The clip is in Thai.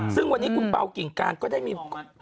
ซึ่งวันนี้คุณเปล่ากิ่งการก็ได้มี